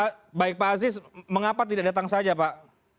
baik pak aziz mengapa tidak datang saja pak